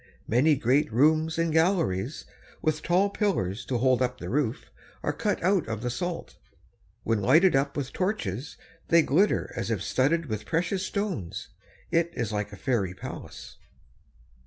Many great rooms and galleries, with tall pillars to hold up the roof, are cut out of the salt. When lighted up with torches, they glitter as if studded with precious stones. It is like a fairy palace.